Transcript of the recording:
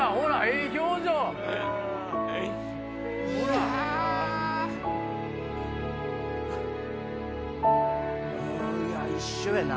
いや一緒やな。